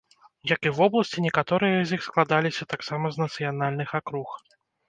Як і вобласці, некаторыя з іх складаліся таксама з нацыянальных акруг.